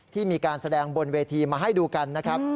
ที่มีการแสดงบนเวทีมาให้ดูกันนะครับ